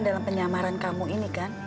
dalam penyamaran kamu ini kan